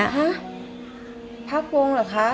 ห้ะพักวงเหรอคะ